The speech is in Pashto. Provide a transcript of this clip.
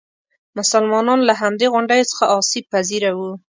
مسلمانان له همدې غونډیو څخه آسیب پذیره وو.